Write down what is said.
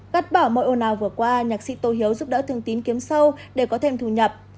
gắt bỏ mọi ồn ào vừa qua nhạc sĩ tô hiếu giúp đỡ thương tín kiếm sâu để có thêm thù nhập